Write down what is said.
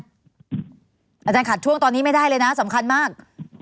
อาจารย์ขัดช่วงตอนนี้ไม่ได้เลยนะสำคัญมาก